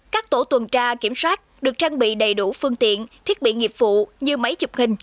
các tổ tuần tra kiểm soát được trang bị đầy đủ phương tiện thiết bị nghiệp vụ như máy chụp hình